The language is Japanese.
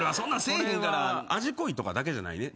これは味濃いとかだけじゃないね。